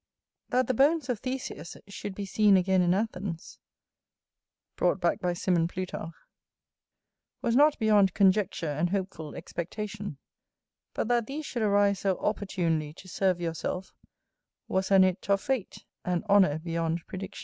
That the bones of Theseus should be seen again in Athens[W] was not beyond conjecture and hopeful expectation: but that these should arise so opportunely to serve yourself was an hit of fate, and honour beyond prediction.